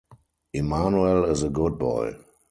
Immanuel is a good boy.